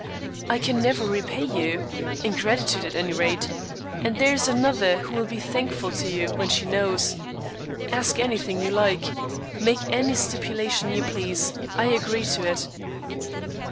"I can never repay you, in gratitude, at any rate. And there is another who will be thankful to you when she knows. Ask anything you like. Make any stipulation you please. I agree to it."